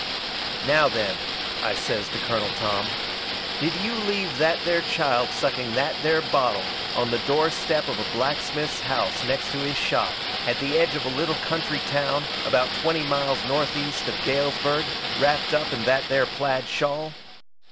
"Now then," I says to Colonel Tom, "did you leave that there child sucking that there bottle on the doorstep of a blacksmith's house next to his shop at the edge of a little country town about twenty miles northeast of Galesburg wrapped up in that there plaid shawl?"